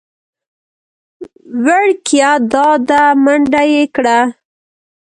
وېړکيه دا ده منډه يې کړه .